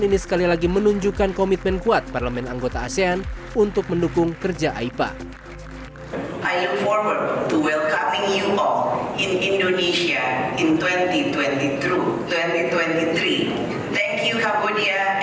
terima kasih kamboja dan sampai jumpa di indonesia tahun depan